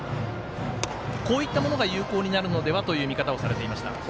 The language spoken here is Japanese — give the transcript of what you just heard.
こういったものが有効になるのではという見方をされていました。